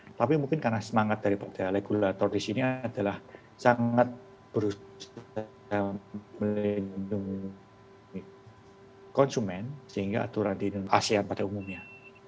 tetapi mungkin karena semangat daripada regulator di sini adalah sangat berusaha melindungi konsumen sehingga aturan di asean pada umumnya